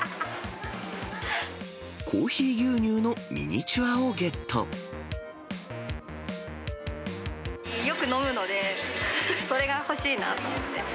コーヒー牛乳のミニチュアをよく飲むので、それが欲しいなと思って。